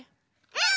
うん！